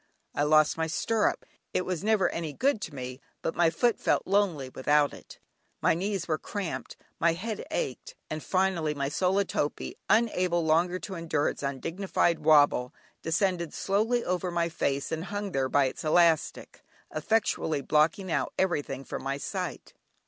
I lost my stirrup; it was never any good to me, but my foot felt lonely without it. My knees were cramped, my head ached, and finally my sola topee, unable longer to endure its undignified wobble, descended slowly over my face and hung there by its elastic, effectually blocking out everything from my sight.